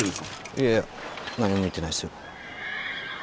いやいや何も見てないっすよ。